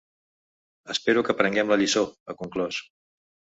“Espero que aprenguem la lliçó”, ha conclòs.